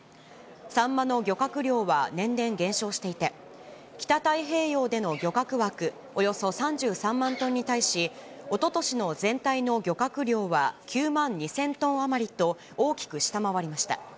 サンマの漁獲量は年々減少していて、北太平洋での漁獲枠、およそ３３万トンに対し、おととしの全体の漁獲量は９万２０００トン余りと、大きく下回りました。